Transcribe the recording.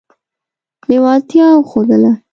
لېوالتیا وښودله.